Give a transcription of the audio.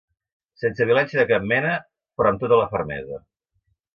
Sense violència de cap mena, ‘però amb tota la fermesa’.